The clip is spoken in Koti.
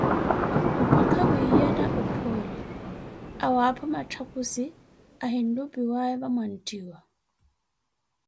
mpakha wiiyana ophoole, awaapho mattakhuzi ahinlupiwaaye vamwanttiwa.